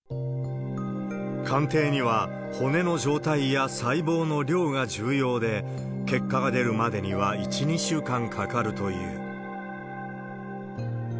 鑑定には骨の状態や細胞の量が重要で、結果が出るまでには１、２週間かかるという。